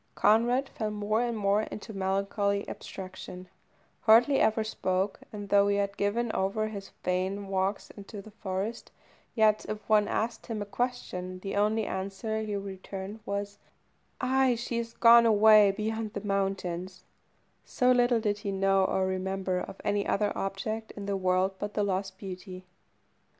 Conrad fell more and more into melancholy abstraction, hardly ever spoke, and though he had given over his vain walks into the forest, yet if one asked him a question, the only answer he returned was "Ay, she is gone away beyond the mountains," so little did he know or remember of any other object in the world but the lost beauty.